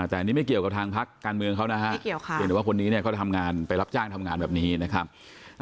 แต่อันนี้ไม่เกี่ยวกับทางพักการเมืองเขานะฮะเพียงแต่ว่าคนนี้เนี่ยเขาทำงานไปรับจ้างทำงานแบบนี้นะครับ